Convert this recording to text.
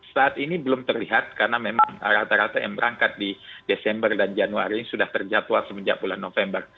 saat ini belum terlihat karena memang rata rata yang berangkat di desember dan januari ini sudah terjatuh semenjak bulan november